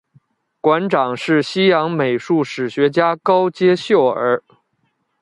馆长是西洋美术史学家高阶秀尔。